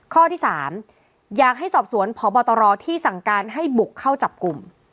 ข้อที่๓อยากให้สอบสวนพบตรที่สั่งการให้บุกเข้าจับกลุ่ม